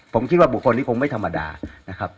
ผมคิดว่าบุคคลนี้คงไม่ธรรมดานะครับ